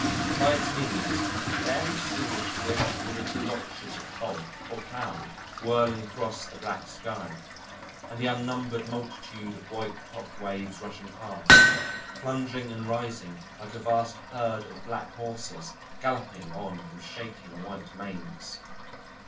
By its means he could barely distinguish great, livid blotches of fog or cloud whirling across the black sky, and the unnumbered multitude of white topped waves rushing past, plunging and rising like a vast herd of black horses galloping on with shaking white manes.